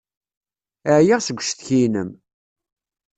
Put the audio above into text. Ɛyiɣ seg ucetki-inem.